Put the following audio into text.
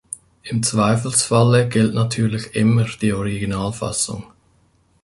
Im Zweifelsfalle gilt natürlich immer die Originalfassung.